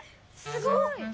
すごい！